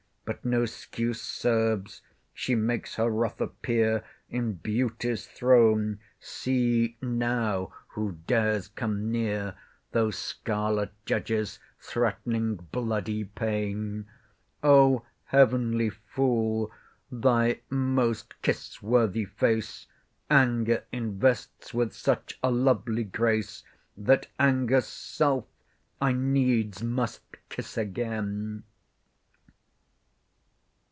But no 'scuse serves; she makes her wrath appear In beauty's throne—see now, who dares come near Those scarlet judges, threat'ning bloody pain? O heav'nly Fool, thy most kiss worthy face Anger invests with such a lovely grace, That anger's self I needs must kiss again.